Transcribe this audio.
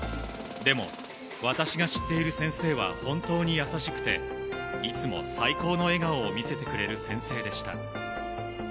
でも、私が知っている先生は本当に優しくていつも最高の笑顔を見せてくれる先生でした。